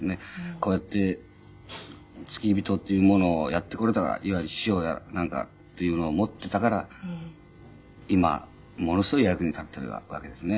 こうやって付き人っていうものをやってこれたからいわゆる師匠やなんかっていうのを持ってたから今ものすごい役に立ってるわけですね。